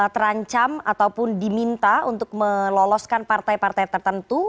terancam ataupun diminta untuk meloloskan partai partai tertentu